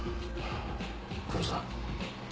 黒さん。